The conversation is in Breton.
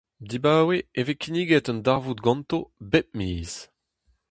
Dibaoe e vez kinniget un darvoud ganto bep miz.